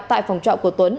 tại phòng trọng của tuấn